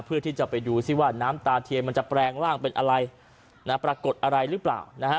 เพื่อที่จะไปดูซิว่าน้ำตาเทียนมันจะแปลงร่างเป็นอะไรปรากฏอะไรหรือเปล่านะฮะ